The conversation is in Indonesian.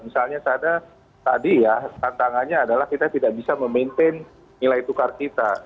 misalnya tadi ya tantangannya adalah kita tidak bisa memaintain nilai tukar kita